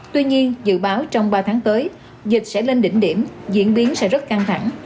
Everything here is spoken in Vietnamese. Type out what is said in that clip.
tuy nhiên dự báo trong ba tháng tới dịch sẽ lên đỉnh điểm diễn biến sẽ rất căng thẳng